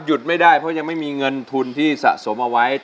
ไม่ได้เพราะยังไม่มีเงินทุนที่สะสมเอาไว้